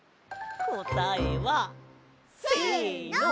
こたえは。せの！